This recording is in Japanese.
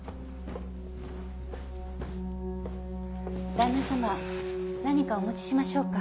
旦那様何かお持ちしましょうか？